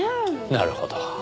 なるほど。